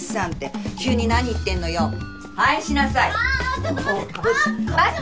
ちょっと待って！